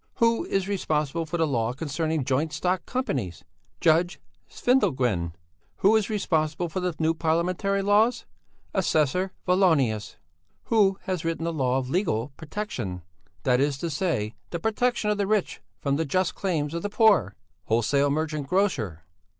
Who is responsible for the law concerning joint stock companies? Judge Svindelgren. Who is responsible for the new Parliamentary laws? Assessor Vallonius. Who has written the law of 'legal protection,' that is to say the protection of the rich from the just claims of the poor? Wholesale merchant grocer.